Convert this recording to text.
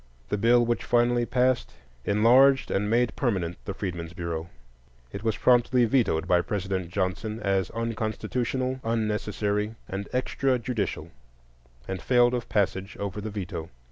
The bill which finally passed enlarged and made permanent the Freedmen's Bureau. It was promptly vetoed by President Johnson as "unconstitutional," "unnecessary," and "extrajudicial," and failed of passage over the veto.